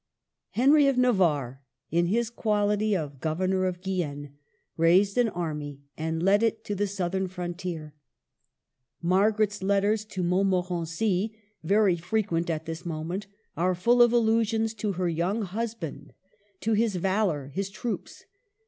Henry of Navarre, in his quality of Governor of Guyenne, raised an army and led it to the southern frontier. Margaret's letters to Mont morency (very frequent at this moment) are full of allusions to her young husband, to his valor, his troops.